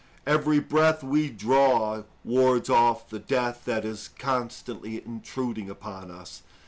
Every breath we draw wards off the death that is constantly intruding upon us.